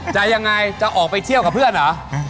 จะยังไงจะออกไปเที่ยวกับเพื่อนเหรอ